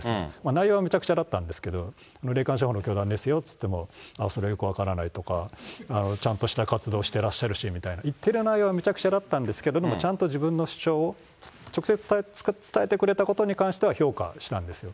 内容はめちゃくちゃだったんですけど、霊感商法の教団ですよって言っても、ああ、それはよく分からないとか、ちゃんとした活動をしてらっしゃるしとか、言ってる内容はめちゃくちゃだったんですけれども、ちゃんと自分の主張を、直接伝えてくれたことに関しては、評価したんですよ。